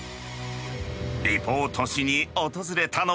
リポートしに訪れたのは。